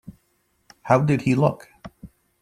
How did he look?